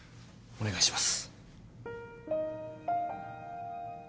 お願いします。